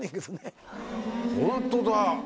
ホントだ！